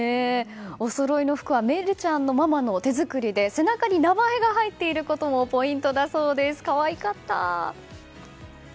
おそろいの服は愛琉ちゃんのママの手作りで背中に名前が入っていることもポイントだそうです。